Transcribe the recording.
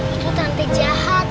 itu tante jahat